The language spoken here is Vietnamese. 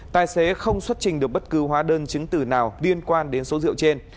tài xế không xuất trình được bất cứ hóa đơn chứng từ nào liên quan đến số rượu trên